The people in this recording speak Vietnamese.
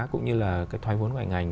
cũng như là cái thói vốn ngoài ngành